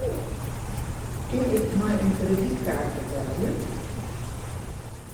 Kin ik mei in kredytkaart betelje?